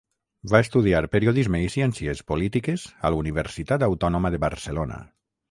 Va estudiar Periodisme i Ciències polítiques a la Universitat Autònoma de Barcelona.